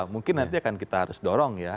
mungkin nanti akan kita harus dorong ya